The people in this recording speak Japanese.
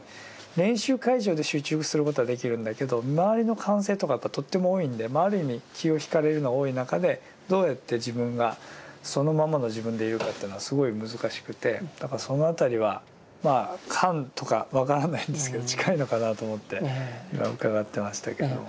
練習会場で集中することはできるんだけど周りの歓声とかがとっても多いんである意味気を引かれるのが多い中でどうやって自分がそのままの自分でいるかというのはすごい難しくてだからその辺りはまあ「観」とか分からないんですけど近いのかなと思って伺ってましたけども。